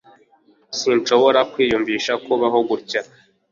Sinshobora kwiyumvisha kubaho gutya